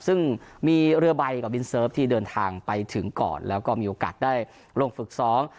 ซึ่งมีเรือใบกับบินเซิร์ฟที่เดินทางไปถึงก่อนแล้วก็มีโอกาสได้ลงฝึกซ้อม